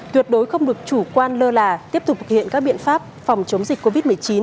tuyệt đối không được chủ quan lơ là tiếp tục thực hiện các biện pháp phòng chống dịch covid một mươi chín